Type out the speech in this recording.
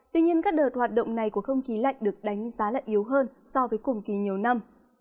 tuy nhiên các đợt hoạt động này của không khí lạnh được đánh giá là yếu hơn so với cùng kỳ nhiều năm